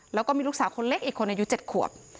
แล้วก็มีลูกสาวคนเล็กอีกคนอายุ๗ขวบ